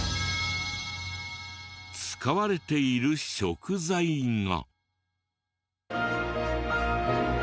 使われている食材が。